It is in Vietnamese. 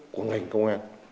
của ngành công an